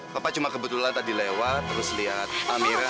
papa cuma kebetulan tadi lewat terus lihat amira